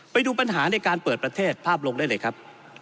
ไปดูปัญหาในการเปิดประเทศภาพลงได้เลยครับ